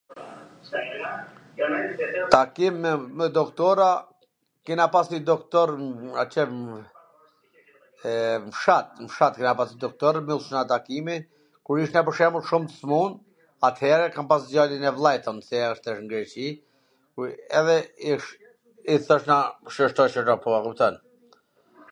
Takim me doktora, kena pas njw doktor atje m fshat, m fshat kena pas njw doktor, mbyllsha takimin, kur ishnja pwr shembull shum t smur, atere kam pas djalin e vllait un, ,,, n Greqi, edhe i thoshnja .. a kupton...